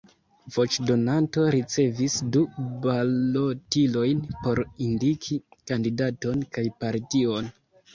Voĉdonanto ricevis du balotilojn por indiki kandidaton kaj partion.